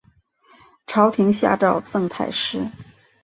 朝廷下诏赠太师。